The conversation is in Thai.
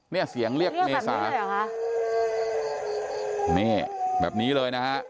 นี่เสียงเรียกเมษานี่แบบนี้เลยนะฮะแบบนี้เลยนะฮะ